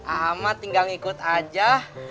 ama tinggal ngikut aja